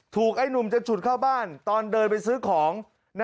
ไอ้หนุ่มจะฉุดเข้าบ้านตอนเดินไปซื้อของ